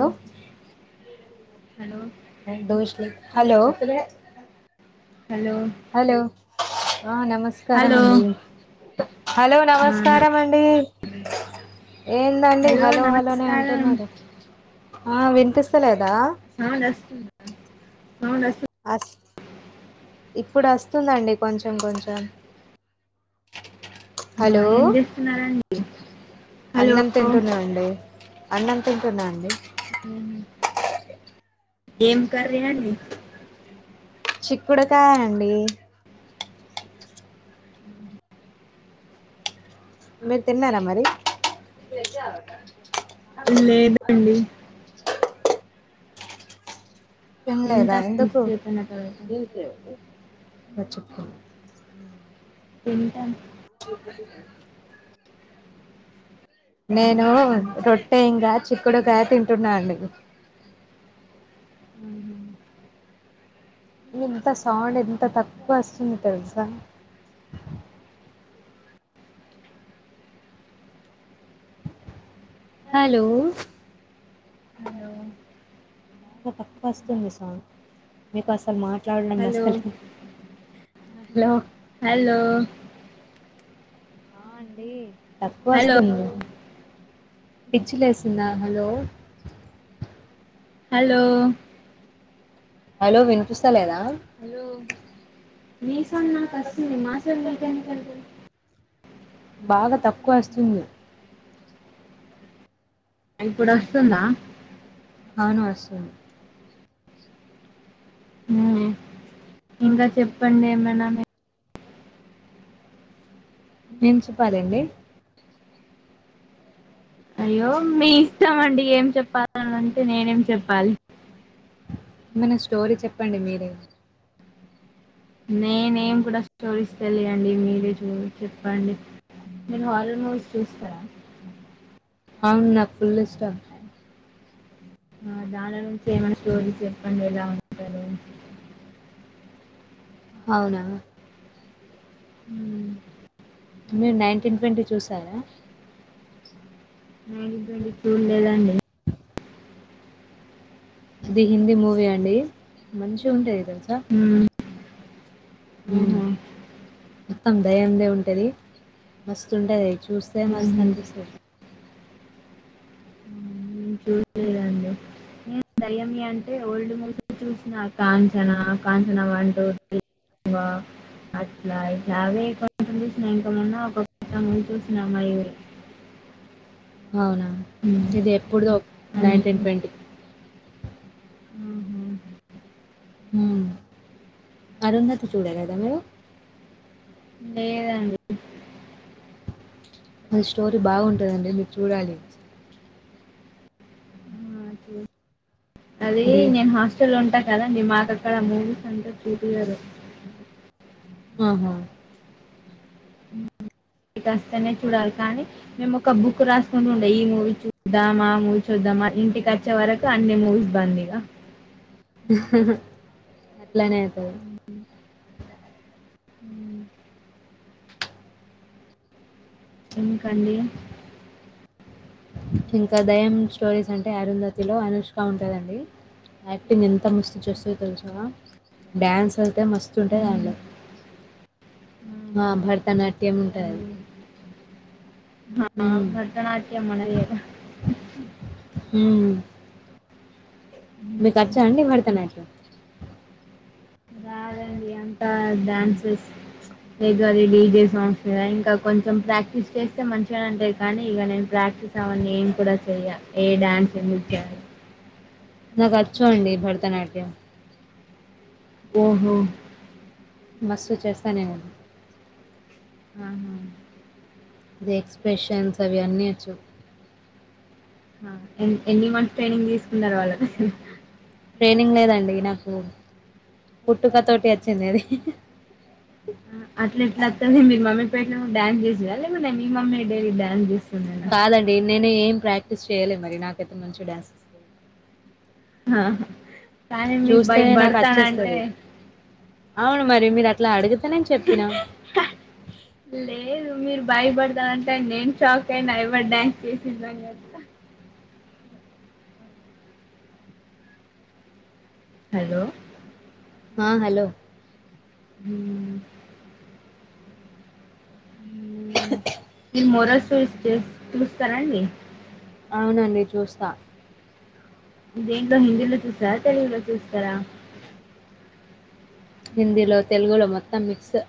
Hello hello నేన్ దోషలేసిన. Hello ఉవే. హలో. అ నమస్కార హలో అండి హలో ఆ నమస్కార అండి. ఏందండి హలో హలోనే అంటున్నారు ఆ వినిపిస్తలేద్. సవునా సవునా. ఇప్పుడస్తుండండి కొంచం కొంచం. ఆ హలో ఏం చేస్తున్నారండి హలో అన్నం తింటున్నా అండి. అన్ననం తంటున్నా అండి. ఎం కర్రీ అండి. చిక్కుడుకాయ అండి. మీరు తిన్నారా మరి. లేదండి తిన్లేదా లేదా తింటాం ఎందుకు కొంతసేపు అయిన తర్వాత అ చెప్పు. ఉంటాం. నేను రొట్టె ఇంకా చిక్కుడుకాయ తింటున్నాండి. ఇంత సౌండ్ ఎంత తక్కువ ఆస్తుంది తెల్సు. హలో. హలో బాగా తక్కో అస్తుంది సాంగ్ మీకు అసలు మాట్. మాట్లాడం హలో అస్తలేదు హలో. హల్లో ఆ అండి తక్కువ హలో అస్తుంది పిచ్చిలేసిందా, హలో హలో హలో వినిపిస్తాలేదా. హలో మీ సౌండ్ నాకు అస్తుంది, మా సౌండ్ మీకెందు [unintelligible] బాగా తక్కువ అస్తుంది. ఇప్పుడస్తుందా. అవును వస్తుంది. ఇంకా చెప్పండి ఏమైనా మీ ఏం చెప్పాలండి. అయ్యో మీ ఇష్టమ్ అండి, ఏం చెప్పాలని అంటే నేనేం చెప్పాలి. ఏమన్నా స్టోరీ చెప్పండి మీరే. నేనేం గుడా స్టోరీస్ తెలియయండి మీరే చూ చెప్పండి. నేను హార్రర్ మూవీస్ చూస్తా. అవును నాకు ఫుల్ ఇష్టం. ఆ దాని నుంచి ఏమైనా స్టోరీస్ చెప్పండి, ఎలా ఉంటారు. అవునా ఉమ్ మీరు నైన్టీన్ ట్వంటీ చూసారా. నేన్ ఇప్పుడు [unintelligible] ఉండేదాన్ని. అది హిందీ మూవీ అండి, మంచిగుంటది దేల్సా. మ్మ్. ఉమ్ మ్మ్హ. మొత్తం దయ్యం దే ఉంటది, మస్తుంటది. చు చూస్తే మస్తు మ్మ్హ. అనిపిస్తది. దయ్యమి అంటే ఓల్డ్ మూవీస్ చూసిన Kanchana, Kanchana one, two, three ఆ అట్ల, ఇట్ల అవే కొన్నీ చూసినా ఇంకా [unintelligible] [unintelligible] చూసినమా ఎవరు అవునా, ఇది ఎప్పుడుదో అంతే. Nineteen twenty. ఉహుమ్ ఉమ్ అరుంధతి చూడలేదా మీరు. లేదాండ్ అది స్టోరీ బాగుంటదండి మీరు చూడాలి. ఆ! చూ అది నేను హాస్టల్ లో ఉంటాన్ కదండి మాకు అక్కడ మూవీస్ అంతా చూపియ్యారు. ఆహా ఇట్ అస్తే నే చూడాలి కానీ, మేము ఒక బుక్ రాసుకుంటూ ఉండే ఈ మూవీ చూద్దాం, ఆ మూవీ చూద్దాం. మని ఇంటికచ్చే వరకు అన్ని మూవీస్ బంద్ ఇగా. అట్లానేఅయితది. హ్మ్. ఎందుకండి. ఇంకా దయ్యం స్టోరీస్ అంటే, అరుంధతిలో అనుష్క ఉంటదండి. యాక్టింగ్ ఎంత మస్తు చేస్తుందో తెలుసా. డ్యాన్స్ అయితే ఉమ్, మస్తుంటాదండి. ఆ ఆహా, భరతనాట్యం ఉంటదది. అండి అవ్ భరతనాట్యం మనదిగదా. హుమ్మ్ మీకచ్చ అండి భరతనాట్యం ఎంత డ్యాన్సెస్ లేదు అది డీజే సాంగ్స్ మీద ఇంకా కొంచెం ప్రాక్టీస్ చేస్తే, మంచిగా ఉంటది కానీ ఇగ నేను ప్రా. చూసావా నేను కూడ చెయ్య ఏ డాన్ నాకచ్చు అండి భరతనాట్యం ఓహో మస్తు చేస్తానే న్ అవునా అండి అది ఎక్స్ప్రెషన్స్ అవి అన్నీ వచ్చు ఎన్ ఎన్ని మంత్స్ ట్రైనింగ్ తీసుకున్నారు వాళ్ళ ట్రైనింగ్ లేదండి నాకు పుట్టుక తోటి వచ్చింది అది అట్లా ఎట్ల వస్తది మీ మమ్మీ పేట్ ను డాన్ చేసినా లేమ మీ మమ్మీ డైలీ డాన్స్ చేస్ కాదండి నేను ఏం ప్రాక్టీస్ చేయ్యలే మరి నాకైతే మంచి డాన్స్ ఆహ కానీ మీ బై చూస్తేనే నాకు బర్త్ అని అంటే వచ్చేస్తది అవును మరి మీరు అట్ అనే చెప్పినా లేదు మీరు భయపడతారంటే నేను షాక్ అయినా ఎవరు డ్యాన్స్ చేసిండ్లు అని హలో ఆ హలో హుమ్ ఈ మొరసూస్ చేస్ చూస్తారా అండి అవునండి చూస్తా దేంట్లో హిందీలో చూస్తారా, తెలుగులో చూస్తారా. హిందీలో, తెలుగులో మొత్తం మిక్స్.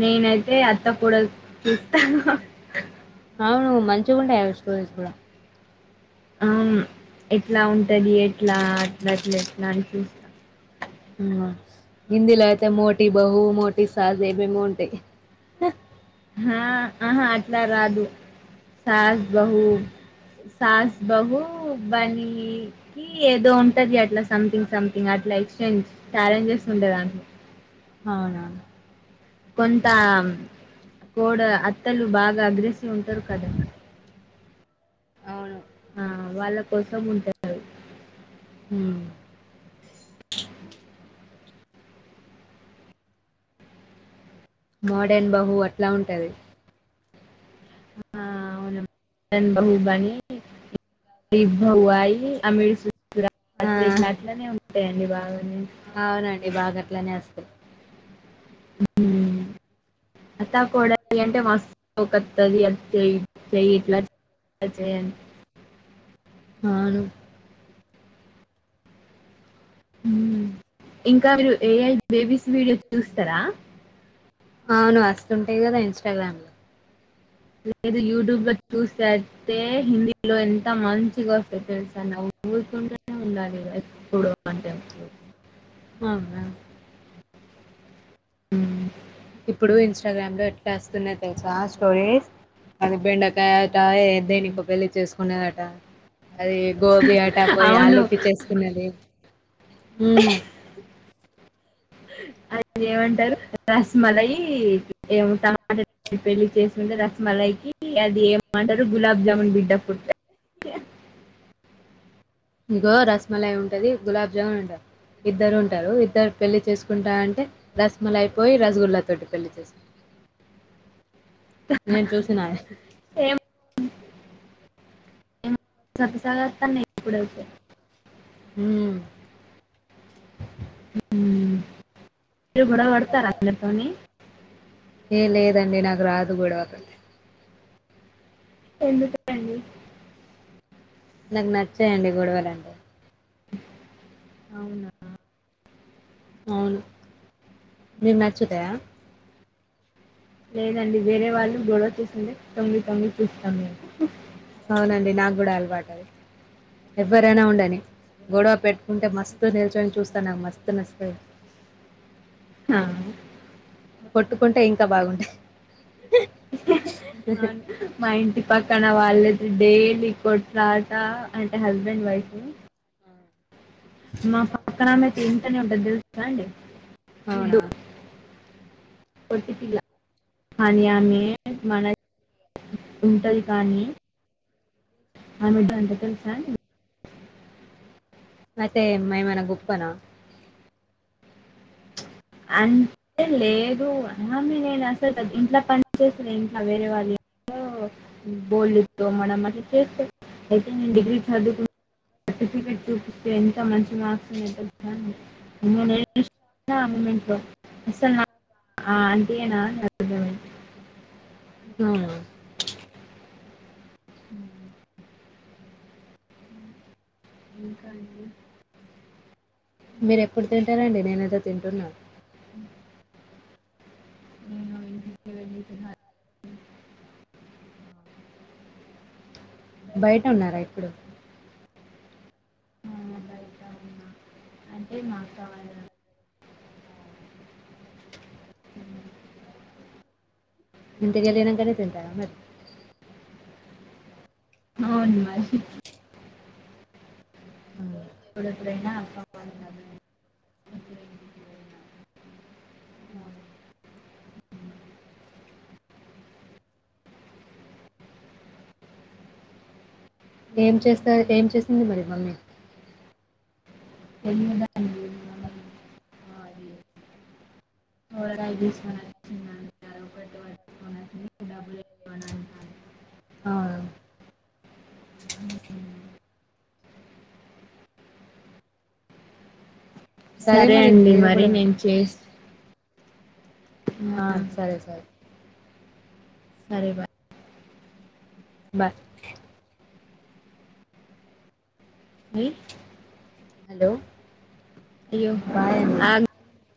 నేనైతే అత్త, కోడలు చూ హహ అవును మంచిగా ఉంటయి అవి స్టోరీస్ కూడా అవును ఎట్లా ఉంటది ఎట్లా, అట్ల అట్ల ఎట్లా అని చూస్తా. హిందీలా అయితే మోటి బహు మోటి సాజ్ ఏమేమో ఉంటయి. హా అహా అట్లా రాదు సాస్, బహు. సాస్ బహు బనీకి ఏదో ఉంటది అట్లా సంథింగ్ సం ఇంగ అట్ల ఎక్స్చేంజ్ ఛాలెంజెస్ ఉంటయి దాంట్లో అవునా కొంత కోడ అత్తలు బాగా గ్రిస్ ఉంటరు కదా అవును ఆ వాళ్ళ కోసం ఉంటారు. హ్ మోడన్ బహు అట్లా ఉంటది. టెన్ బహు బని ఇబ్బు హు వాయి అమి సు సుర ఆ [unintelligible] అట్లనే ఉంటాయండి బాగా అవునండి బాగా అట్లనే వస్తయి హ్ హు అత్తా కోడలు అంటే మస్తు ఒకత్తది అది చెయ్, ఇది చేయి ఇట్ల అది చేయ్ అని అవును ఇంకా మీరు ఏఐ బేబీస్ వీడియోసు చూస్తారా అవును వస్తుంటాయి కదా ఇంస్టాగ్రామ్ లో లేదు యూట్యూబ్ లో చూసేస్తే హిందీలో ఎంత మంచిగా వస్తే తెలుసా నవ్వు నవుకుంటూనే ఉండాలి ఎప్పుడూ అంటే అవునా ఉమ్ ఇప్పుడు ఇన్స్టాగ్రామ్ లో ఎట్లా వస్తున్నాయి తెలుసా స్టోరీస్ అది బెండకాయట దేనికో పెళ్ళి చేసుకునదట అది గోబీ ఆట పోయి అవును. ఆలుకి చేసుకున్నది అది ఏమంటారు రస్మలయి టమాటా పెళ్లి చేసుకుంటే రస్మలాయికి అది ఏమంటారు గులాబ్ జమన్ బిడ్డ పుడితే ఇగో రసమలాయి ఉంటది గులాబ్ జామున్ ఉంటది ఇద్దరు ఉంటారు ఇద్దరు పెళ్లి చేసుకుంటా అంటే రస్మల అయిపోయి రసగుల్లతోటి పెళ్లి చేసుకుంటది [inaudible] నేను చూసిన ఏమో సతసాగాస్తా ఇప్పుడైతే ఉం మీరు గొడవ పడతారా అందరు తోని ఏ లేదండి నాకు రాదు గొడవ ఎందుకు అండి నాకు నచ్చాయండి గొడవలు అంటే అవునా! అవును మీరు మ్యాచ్తయా లేదండి వేరే వాళ్ళు గొడవ చూసింటే తొంగి తొంగీ చూస్తాం మీ అవునండి నాకు కూడా అలవాటుది ఎవ్వరైనా ఉండని గొడవ పెట్టుకుంటే మస్తు నిల్చొని చూస్తాను నాకు మస్తు నచ్చాయి ఆ కొట్టుకుంటే ఇంకా బాగుంటది మా ఇంటి పక్కన వాళ్ళయితే డైలీ కొట్లాట అంటే హస్బెండ్ వైఫ్ ను మా పక్కనమ్మెయితే ఏంటనే ఉంటది తెలుసుా అండి అవునా మనీ అన్యానీ మన ఉంటది కానీ హన్నడ్ అంట తెలుసాం అయితే ఏమనా గోప్పనా అంతే లేదు అమ నేను అసలు ఇంట్లా పని చేసా ఇంట్లా వేరే వాళ్ళు బోల్లు తొమడం అంటే చేస్త అయితే నేను డిగ్రీ చదువుకు సర్టిఫికెట్ చూపిస్తే ఎంత మంచి మార్క్స్ ని అ అస అంటనా ఆన్ ఆ హ మీకాడి మీరు ఎప్పుడు తింటారండి నేనుదో తింటున్నా నేను వెల్లి తినాలి బయట ఉన్నారా ఇప్పుడు మా బయట ఉన్నా అంటే మా అక్క వాళ్ళ ఇంటికెళ్ళినంకనే తింటారా మరి అవును మరి అ కూడ ఎప్పుడైనా అవును ఏం చేస్తా ఏం చేసింది మరి మమ్మీ తెమ్దా రాజేష్ గాడు వచ్చిన్న ఇవ్వను అంటాను ఆ సరే మరి అండి మీరు మరి కూడా నేను చేస్ ఆ సరే సరే సరే బయ్ ఇ హలో అయ్యో బాయ్ అండి ఆ